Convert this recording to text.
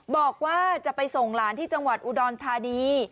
บอกว่าจะไปส่งหลานที่จังหวัดอุดรธานี